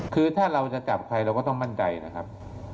คือถ้าเราจะจับใครเราก็ต้องมั่นใจนะครับ